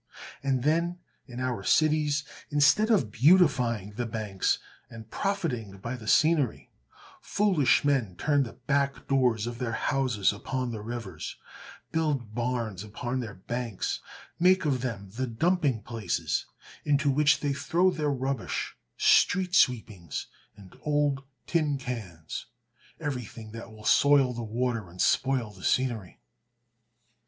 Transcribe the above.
And then, in our cities, instead of beautifying the banks and profiting by the scenery, foolish men turn the back doors of their houses upon the rivers, build barns upon their banks, make of them the dumping places into which they throw their rubbish, street sweepings, and old tin cans, everything that will soil the water and spoil the scenery.